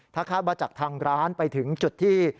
ถ้าคาดว่าจากทางร้านไปถึงจุดที่